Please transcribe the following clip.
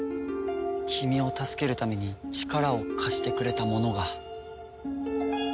君を助けるために力を貸してくれた者が。